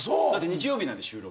日曜日なんで収録。